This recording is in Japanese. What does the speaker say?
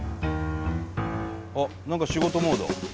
あっ何か仕事モード。